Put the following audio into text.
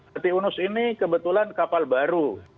patiunus ini kebetulan kapal baru